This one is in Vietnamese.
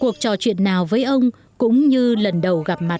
cuộc trò chuyện nào với ông cũng như lần đầu gặp mặt